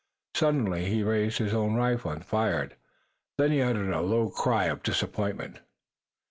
Suddenly he raised his own rifle and fired. Then he uttered a low cry of disappointment.